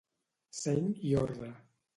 Seny i ordre.